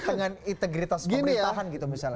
kreatifitas pemerintahan gitu misalnya